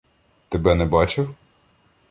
— Тебе не бачив?